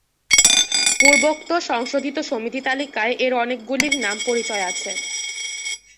পূর্বোক্ত সংশোধিত সমিতি-তালিকায় এর অনেকগুলির নাম-পরিচয় আছে।